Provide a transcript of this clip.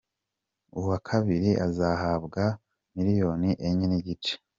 Uwa kabiri azahabwa miliyoni enye n’igice .